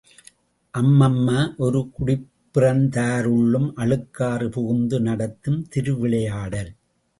அம்மம்ம, ஒரு குடிப்பிறந்தாருள்ளும் அழுக்காறு புகுந்து நடத்தும் திருவிளையாடல்!